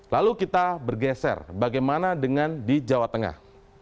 lalu kita bergeser bagaimana dengan di jawa tengah